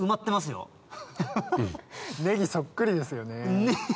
ネギそっくりですよね。